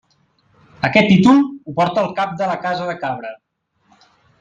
Aquest títol ho porta el cap de la Casa de Cabra.